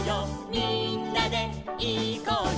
みんなでいこうよ」